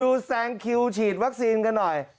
แซงคิวฉีดวัคซีนกันหน่อย